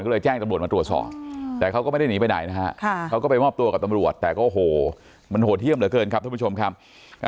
ก็เลยแจ้งตำรวจมาตรวจสอบแต่เขาก็ไม่ได้หนีไปไหนนะฮะเขาก็ไปมอบตัวกับตำรวจแต่ก็โอ้โหมันโหดเยี่ยมเหลือเกินครับท่านผู้ชมครับ